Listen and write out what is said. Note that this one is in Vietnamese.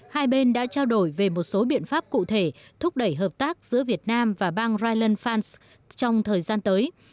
hai bên đã trao đổi về một số biện pháp cụ thể thúc đẩy hợp tác giữa việt nam và bang ryan fansk trong thời gian tới